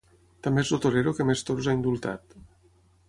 També és el torero que més toros ha indultat.